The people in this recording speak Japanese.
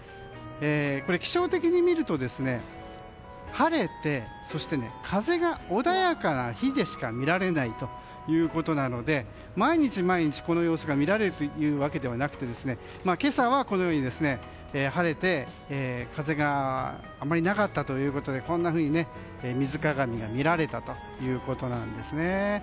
気象的に見ると晴れて風が穏やかな日にしか見られないということなので毎日毎日、この様子が見られるというわけではなくて今朝はこのように、晴れて風があまりなかったということでこんなふうに水鏡が見られたということなんですね。